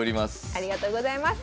ありがとうございます。